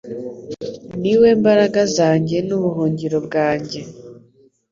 Ni we mbaraga zanjye n’ubuhungiro bwanjye